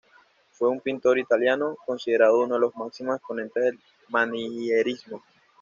Fue un pintor italiano, considerado uno de los máximos exponentes del manierismo.